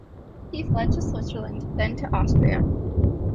He fled to Switzerland, then to Austria.